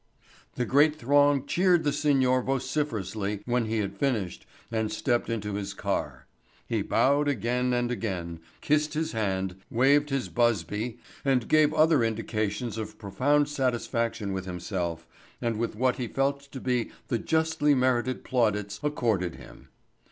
The great throng cheered the Signor vociferously when he had finished and stepped into his car. He bowed again and again, kissed his hand, waved his busby and gave other indications of profound satisfaction with himself and with what he felt to be the justly merited plaudits accorded him.